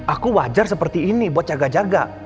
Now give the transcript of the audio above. aku wajar seperti ini buat jaga jaga